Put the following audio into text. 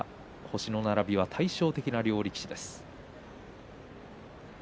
星の並びは対照的な両力士です。